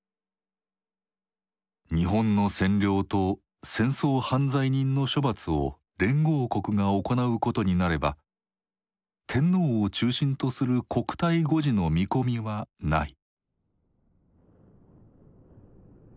日本の占領と戦争犯罪人の処罰を連合国が行うことになれば天皇を中心とする国体護持の見込みはない。